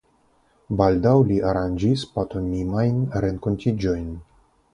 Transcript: Baldaŭ li aranĝis patomimajn renkontiĝojn.